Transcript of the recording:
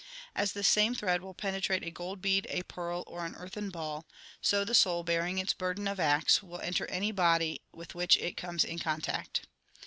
As the same thread will penetrate a gold bead, a pearl, or an earthen ball, so the soul, bearing its burden of acts, will enter any body with which it conies in contact.